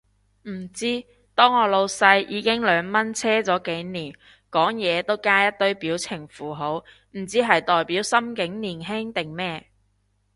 唔知，當我老細已經兩蚊車咗幾年，講嘢都加一堆表情符號，唔知係代表心境年輕定咩